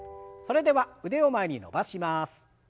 それでは腕を前に伸ばします。